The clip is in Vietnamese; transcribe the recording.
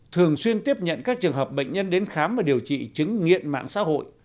thường xuyên tiếp nhận các trường hợp bệnh nhân đến khám và điều trị chứng nghiện mạng xã hội